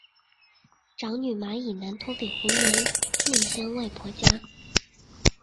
长女马以南托给湖南宁乡外婆家。